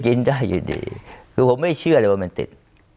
กินได้อยู่ดีคือผมไม่เชื่อเลยว่ามันติด